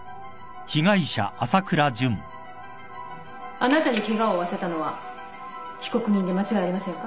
あなたにケガを負わせたのは被告人で間違いありませんか？